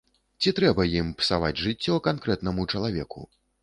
Ці трэба ім псаваць жыццё канкрэтнаму чалавеку.